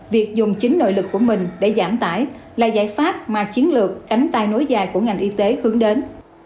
việc dùng chính nội lực của mình để giảm tải là giải pháp mà chiến lược cánh tay nối dài của ngành y tế hướng đến